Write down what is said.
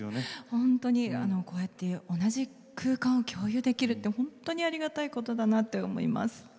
本当に、こうやって同じ時間を共有できるって本当にありがたいことだなと思います。